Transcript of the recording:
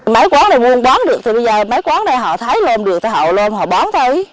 mấy quán này buôn bán được thì bây giờ mấy quán này họ thấy lồn được thì họ lồn họ bán thấy